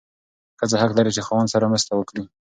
ښځه حق لري چې خاوند سره مرسته وکړي.